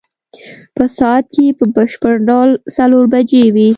په ساعت کې په بشپړ ډول څلور بجې وې.